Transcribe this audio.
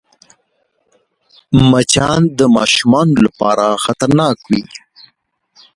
مچان د ماشومانو لپاره خطرناک وي